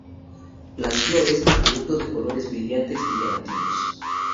Las flores a menudo de colores brillantes y llamativos.